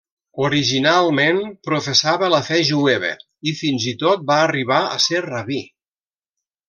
Originalment professava la fe jueva i fins i tot va arribar a ser rabí.